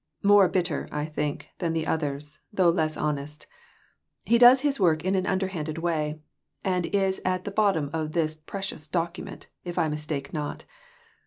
" More bitter, I think, than the others, though less honest ; he does his work in an underhanded way, and is at the bottom of this precious document, if I mis take not.